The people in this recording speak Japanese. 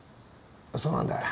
そうなんだよ